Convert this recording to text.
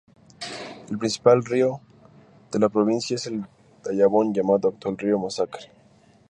El principal río de la provincia es el Dajabón, llamado actualmente río Masacre.